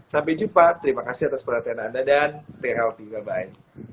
sampai jumpa terima kasih atas perhatian anda dan stay healthy bye